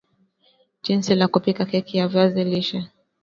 Jinsi ya kupika keki ya viazi lishe